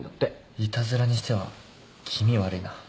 いたずらにしては気味悪いな。